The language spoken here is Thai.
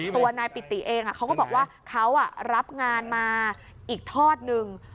ตัวนายปิติเองเขาก็บอกว่าเขารับงานมาอีกทอดหนึ่ง